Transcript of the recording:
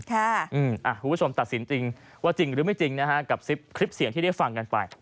คุณผู้ชมตัดสินจริงว่าจริงหรือไม่จริงนะฮะกับคลิปเสียงที่ได้ฟังกันไป